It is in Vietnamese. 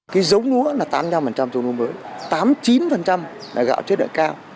cái giống lúa là tám mươi năm giống lúa mới tám mươi chín là gạo chất lượng cao